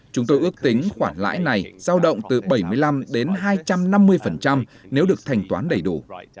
chúng tôi ước tính khoản lãi này giao động từ bảy mươi năm đến hai trăm năm mươi nếu được thành toán đầy đủ